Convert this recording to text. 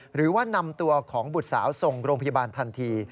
หรือว่านำตัวของบุตรสาวส่งโรงพยาบาลทันที